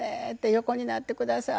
横になってください」って